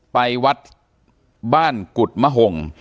ไปวัดบ้านกุฎมะหง